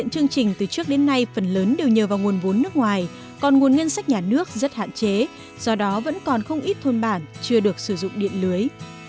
nguồn ngân sách nhà nước rất hạn chế do đó vẫn còn không ít thôn bản chưa được sử dụng điện lưới